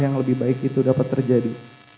yang lebih baik itu dapat terjadi